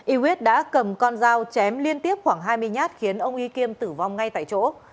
y huyết đã cầm con dao chém liên tiếp khoảng hai mươi nhát khiến ông y kiêm tử vong ngay tại chỗ